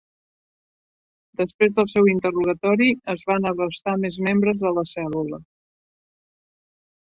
Després del seu interrogatori, es van arrestar més membres de la cèl·lula.